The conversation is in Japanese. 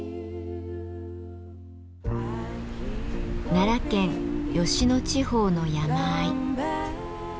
奈良県吉野地方の山あい。